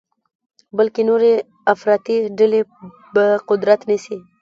بلکې نورې افراطي ډلې به قدرت نیسي.